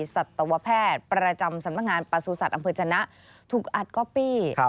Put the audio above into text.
สัตวแพทย์ประจำสำนักงานประสุทธิ์อำเภอจนะถูกอัดก๊อปปี้